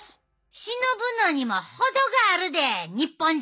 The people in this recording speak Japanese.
忍ぶのにも程があるで日本人！